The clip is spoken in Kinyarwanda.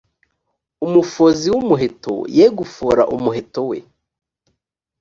umufozi w umuheto ye gufora umuheto we